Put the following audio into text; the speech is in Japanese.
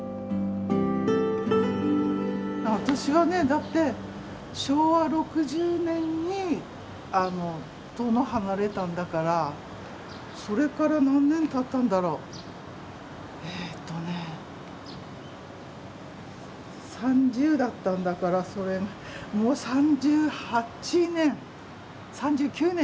私はねだって昭和６０年に遠野を離れたんだからそれから何年たったんだろうえっとね３０だったんだからもう３８年３９年かな。